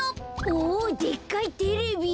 おでっかいテレビ。